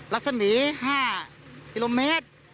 ลักษณีย์๕อิโลเมตร